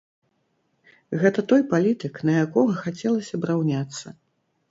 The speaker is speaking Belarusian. Гэта той палітык, на якога хацелася б раўняцца.